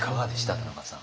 田中さん。